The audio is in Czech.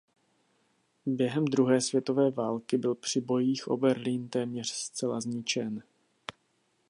Během druhé světové války byl při bojích o Berlín téměř zcela zničen.